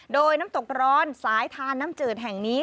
โดยน้ำตกร้อนสายทานน้ำจืดแห่งนี้